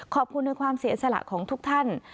ขอบคุณในความเสียสละของทุกท่าน